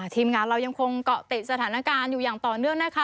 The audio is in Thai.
ทีมงานเรายังคงเกาะติดสถานการณ์อยู่อย่างต่อเนื่องนะคะ